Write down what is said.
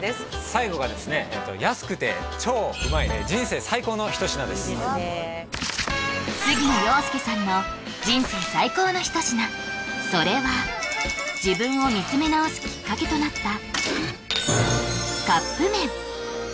最後がですね安くて超うまい人生最高の一品です杉野遥亮さんの人生最高の一品それは自分を見つめ直すきっかけとなった